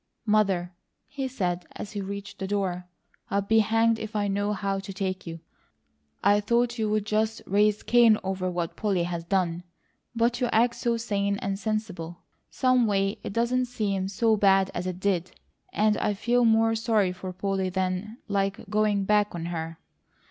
"Mother," he said as he reached the door, "I be hanged if I know how to take you! I thought you'd just raise Cain over what Polly has done; but you act so sane and sensible; someway it doesn't seem so bad as it did, and I feel more sorry for Polly than like going back on her.